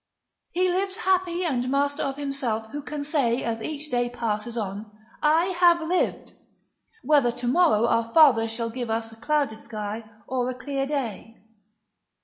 ["He lives happy and master of himself who can say as each day passes on, 'I HAVE LIVED:' whether to morrow our Father shall give us a clouded sky or a clear day."